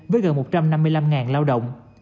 với gần một trăm năm mươi năm lao động